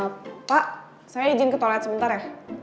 pak saya izin ke toilet sebentar ya